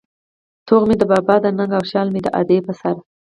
توغ مې د بابا د ننگ او شال مې د ادې په سر